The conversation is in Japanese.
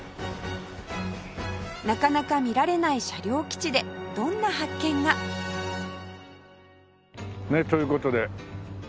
なかなか見られない車両基地でどんな発見が？ねえという事で。